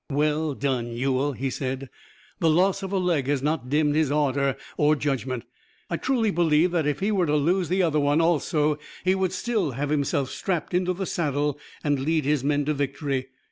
"Well done, Ewell!" he said. "The loss of a leg has not dimmed his ardor or judgment. I truly believe that if he were to lose the other one also he would still have himself strapped into the saddle and lead his men to victory.